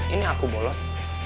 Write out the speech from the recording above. ini aku bolot